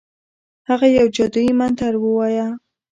هغه یو جادویي منتر ووایه.